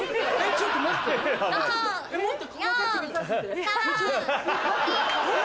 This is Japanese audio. ちょっと待って待って！